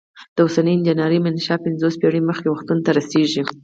د اوسنۍ انجنیری منشا پنځوس پیړۍ مخکې وختونو ته رسیږي.